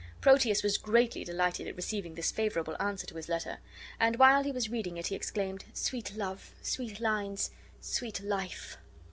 Proteus was greatly delighted at receiving this favorable answer to his letter. And while he was reading it he exclaimed, "Sweet love! sweet lines! sweet life!"